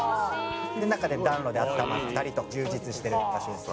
中で暖炉で温まったりと充実してる場所です」